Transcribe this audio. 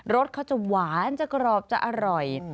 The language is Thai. สเขาจะหวานจะกรอบจะอร่อย